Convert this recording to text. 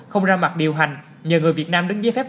không ra mặt điều hành nhờ người việt nam đứng giấy phép